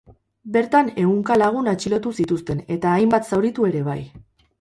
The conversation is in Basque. Bertan ehunka lagun atxilotu zituzten eta hainba zauritu ere bai.